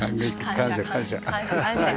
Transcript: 感謝感謝。